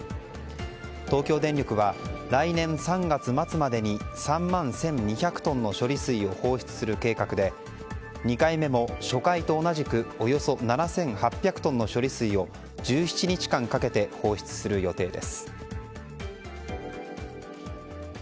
東京電力は、来年３月末までに３万１２００トンの処理水を放出する計画で２回目も初回と同じくおよそ７８００トンの処理水を１７日間かけて放出する予定です。